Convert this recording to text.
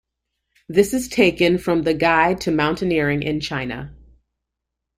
This is taken from the Guide to Mountaineering in China.